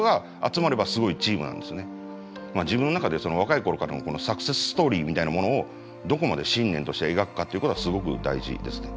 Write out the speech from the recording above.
自分の中で若い頃からのサクセスストーリーみたいなものをどこまで信念として描くかっていうことはすごく大事ですね。